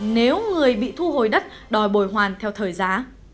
nếu người bị thu hồi đất đòi bồi hoàn theo thời giá